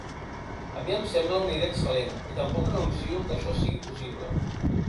A mi em sembla una idea excel·lent i tampoc renuncio que això sigui possible.